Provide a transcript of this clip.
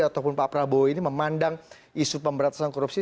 ataupun pak prabowo ini memandang isu pemberantasan korupsi